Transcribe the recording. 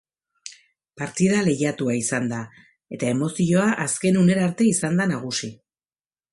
Partida lehiatua izan da, eta emozioa azken unera arte izan da nagusi.